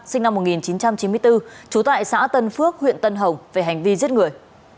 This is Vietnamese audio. sinh năm một nghìn chín trăm chín mươi bốn trú tại xã tân phước huyện tân hồng về hành vi giết người